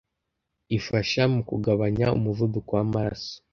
ifasha mu kugabanya umuvuduko w’amaraso